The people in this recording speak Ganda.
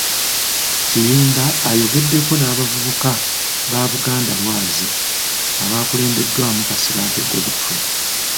Kiyimba ayogedeko n'abavubuka ba Buganda Lwazi, abakulembeddwamu Kasibante Godfrey.